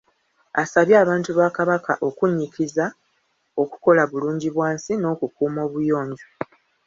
Asabye abantu ba Kabaka okunnyikiza okukola Bulungibwansi n'okukuuma obuyonjo.